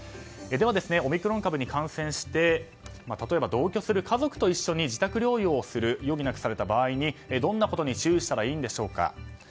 では、オミクロン株に感染して例えば、同居する家族と一緒に自宅療養を余儀なくされた場合にどんなことに注意したらいいんでしょうか。